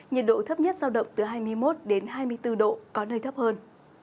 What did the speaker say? nhiệt độ thấp nhất giao động từ hai mươi một đến hai mươi bốn độ có nơi thấp hơn